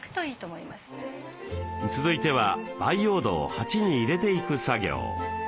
続いては培養土を鉢に入れていく作業。